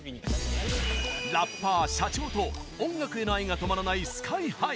ラッパー、社長と音楽への愛が止まらないＳＫＹ‐ＨＩ。